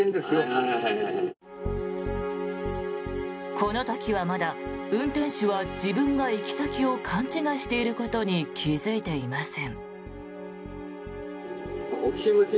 この時はまだ運転手は自分が行き先を勘違いしていることに気付いていません。